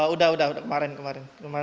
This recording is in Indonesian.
udah udah kemarin kemarin udah lapor